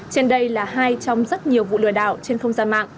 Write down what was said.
trên đây là hai trong rất nhiều vụ lừa đảo trên không gian mạng